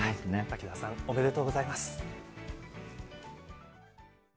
滝沢さんおめでとうございます。